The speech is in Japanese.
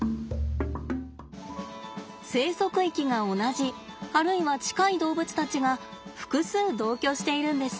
生息域が同じあるいは近い動物たちが複数同居しているんです。